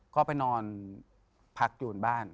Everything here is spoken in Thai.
ก็ไปนอนพักอยู่ในบ้าน